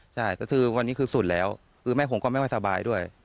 คือวันนี้คือสุดแล้วคือแม่ของก็ไม่ไหวสบายด้วย